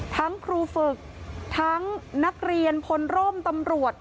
ทั้งครูฝึกทั้งนักเรียนผลโรมตำรวจ